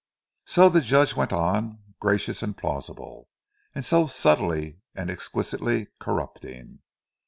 So the Judge went on, gracious and plausible—and so subtly and exquisitely corrupting!